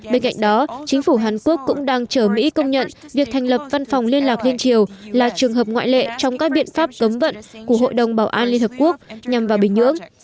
bên cạnh đó chính phủ hàn quốc cũng đang chờ mỹ công nhận việc thành lập văn phòng liên lạc liên triều là trường hợp ngoại lệ trong các biện pháp cấm vận của hội đồng bảo an liên hợp quốc nhằm vào bình nhưỡng